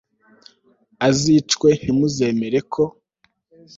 azicwe Ntimuzemere ko